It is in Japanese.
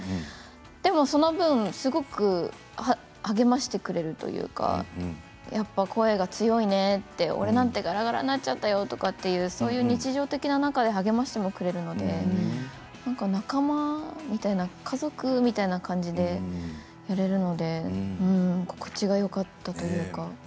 でもその分、すごく励ましてくれるというかやっぱり声が強いね俺なんてがらがらになっちゃうよってそういう日常的な中で励ましてもくれるので仲間みたいな家族みたいな感じでやれるので居心地がよかったというか。